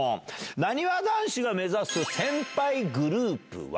なにわ男子が目指す先輩グループは。